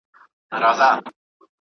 چي له ما یې پاته کړی کلی کور دی.